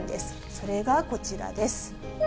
それがこちらです。